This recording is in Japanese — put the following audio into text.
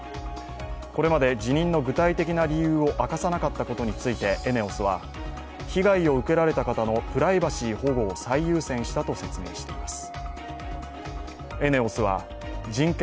これまで辞任の具体的な理由を明かさなかったことについてＥＮＥＯＳは被害を受けられた方のプライバシー保護を最優先したと説明しています。